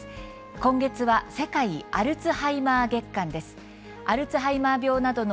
今月は世界アルツハイマー月間です。